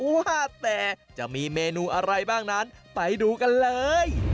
ว่าแต่จะมีเมนูอะไรบ้างนั้นไปดูกันเลย